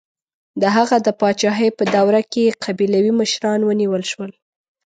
د هغه د پاچاهۍ په دوره کې قبیلوي مشران ونیول شول.